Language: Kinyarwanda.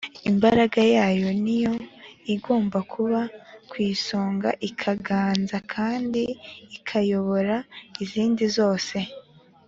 imbaraga yayo ni yo igomba kuba ku isonga, ikaganza kandi ikayobora izindi zose